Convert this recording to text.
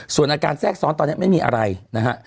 ส่วนอาการแทรกซ้อนตอนนี้ไม่มีอะไรนะฮะ